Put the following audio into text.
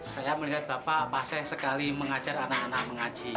saya melihat bapak paseh sekali mengajar anak anak mengaji